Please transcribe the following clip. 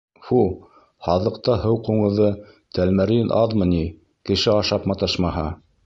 — Фу! һаҙлыҡта һыу ҡуңыҙы, тәлмәрйен аҙмы ни, кеше ашап маташмаһа?